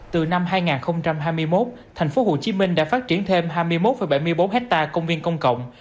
từ năm hai nghìn hai mươi một thành phố hồ chí minh đã phát triển thêm hai mươi một bảy mươi bốn hecta công viên công cộng